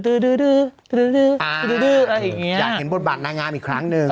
อะอะไรอย่างเงี้ยอยากเห็นบทบาทนนางงามอีกครั้งนึง